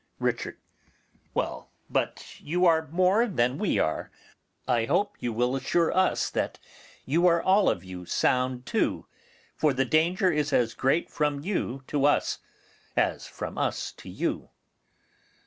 Richard. Well, but you are more than we are. I hope you will assure us that you are all of you sound too, for the danger is as great from you to us as from us to you.